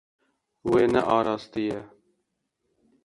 Wê nearastiye.